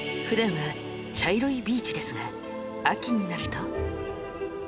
普段は茶色いビーチですが秋になると